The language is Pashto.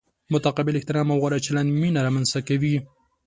متقابل احترام او غوره چلند مینه را منځ ته کوي.